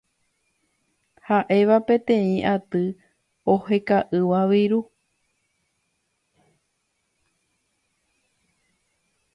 ha'éva peteĩ aty oheka'ỹva viru